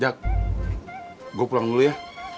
ya gue pulang dulu ya